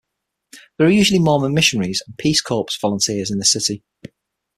There are usually Mormon missionaries and Peace Corps volunteers in the city.